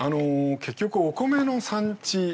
結局お米の産地。